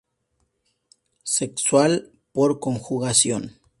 Sexual: Por conjugación.